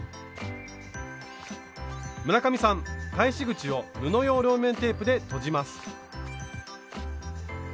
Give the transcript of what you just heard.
村上さん返し口を布用両面テープでとじます。